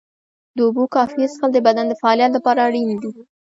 د اوبو کافي څښل د بدن د فعالیت لپاره اړین دي.